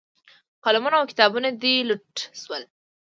قلمونه او کتابونه دې لوټ شول.